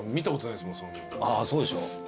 ああそうでしょ？